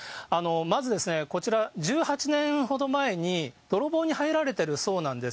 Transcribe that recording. まず、こちら、１８年ほど前に、泥棒に入られてるそうなんです。